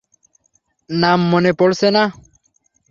নাম মনে পড়ছে না।